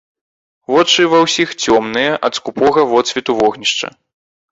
Вочы ва ўсіх цёмныя ад скупога водсвету вогнішча.